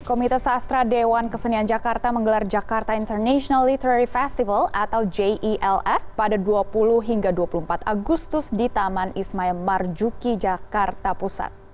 komite sastra dewan kesenian jakarta menggelar jakarta international literary festival atau jilf pada dua puluh hingga dua puluh empat agustus di taman ismail marjuki jakarta pusat